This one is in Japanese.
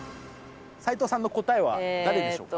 齊藤さんの答えは誰でしょうか？